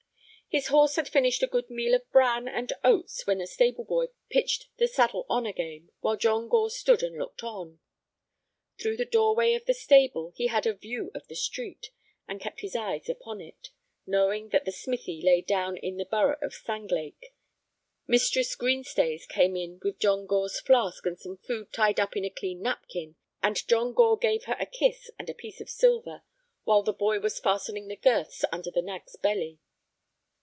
His horse had finished a good meal of bran and oats when a stable boy pitched the saddle on again, while John Gore stood and looked on. Through the doorway of the stable he had a view of the street, and kept his eyes upon it, knowing that the smithy lay down in the borough of Sanglake. Mistress Green Stays came in with John Gore's flask and some food tied up in a clean napkin, and John Gore gave her a kiss and a piece of silver while the boy was fastening the girths under the nag's belly.